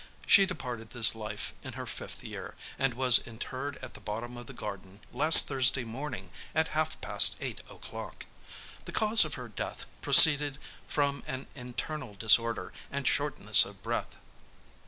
She departed this life in her fifth year, and was interred at the bottom of the garden, last Thursday morning at half past eight o'clock. The cause of her death proceeded from an internal disorder and shortness of breath.